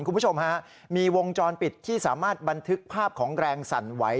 คุณผู้ชมฮะมีวงจรปิดที่สามารถบันทึกภาพของแรงสั่นไหว